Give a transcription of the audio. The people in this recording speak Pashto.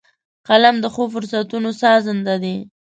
قلم د ښو فرصتونو سازنده دی